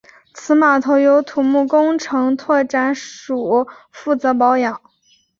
此码头由土木工程拓展署负责保养。